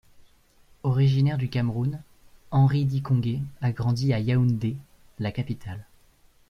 Originaire du Cameroun, Henri Dikongué a grandi à Yaoundé, la capitale.